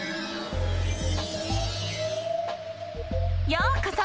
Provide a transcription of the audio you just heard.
ようこそ！